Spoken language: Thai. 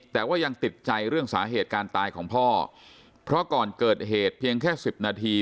แต่ว่ายังติดใจเรื่องสาเหตุการตายของพ่อเพราะก่อนเกิดเหตุเพียงแค่สิบนาที